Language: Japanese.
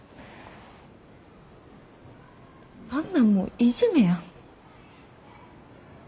あんなんもういじめやん。